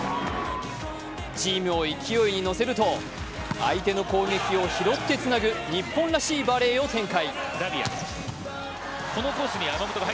チームを勢いに乗せると相手の攻撃を拾ってつなぐ日本らしいバレーを展開。